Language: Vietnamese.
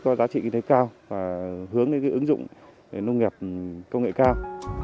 có giá trị kinh tế cao và hướng đến ứng dụng nông nghiệp công nghệ cao